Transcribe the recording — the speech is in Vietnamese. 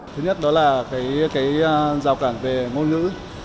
thứ nhất đó là cái rào cản về ngôn ngữ